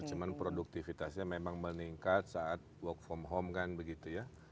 cuma produktivitasnya memang meningkat saat work from home kan begitu ya